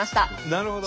なるほど。